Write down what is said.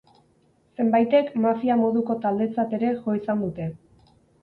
Zenbaitek mafia moduko taldetzat ere jo izan dute.